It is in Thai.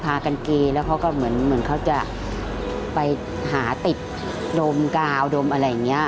พากันเกแล้วเขาก็เหมือนเขาจะไปหาติดดมกาวดมอะไรอย่างนี้